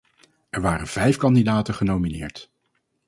Er waren vijf kandidaten genomineerd.